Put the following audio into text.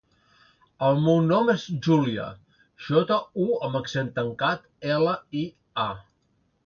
El meu nom és Júlia: jota, u amb accent tancat, ela, i, a.